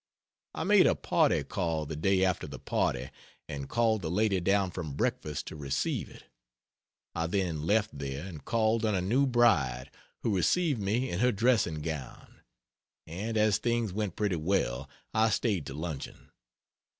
I made a party call the day after the party and called the lady down from breakfast to receive it. I then left there and called on a new bride, who received me in her dressing gown; and as things went pretty well, I stayed to luncheon.